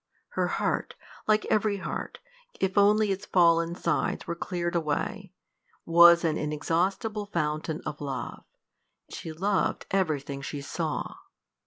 Her heart like every heart, if only its fallen sides were cleared away was an inexhaustible fountain of love: she loved everything she saw.